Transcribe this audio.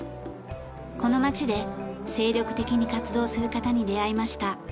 この街で精力的に活動する方に出会いました。